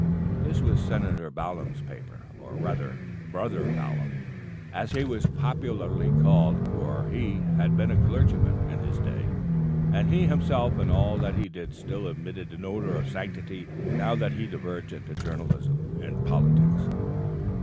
This was Senator Balaam's paper or rather, "Brother" Balaam, as he was popularly called, for he had been a clergyman, in his day; and he himself and all that he did still emitted an odor of sanctity now that he had diverged into journalism and politics.